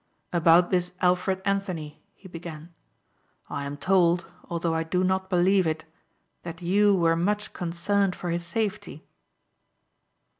"About this Alfred Anthony," he began. "I am told, although I do not believe it, that you were much concerned for his safety."